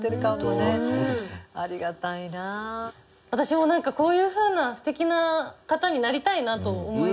私もなんかこういうふうな素敵な方になりたいなと思いました。